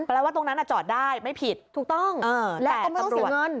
แปลว่าตรงนั้นอะจอดได้ไม่ผิดถูกต้องเออและก็ไม่ต้องเสียเงิน